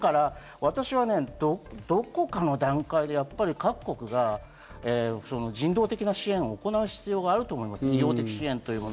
私はどこかの段階で各国が人道的な支援を行う必要があるのかなと思います。